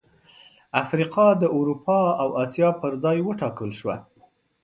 افریقا د اروپا او اسیا پر ځای وټاکل شوه.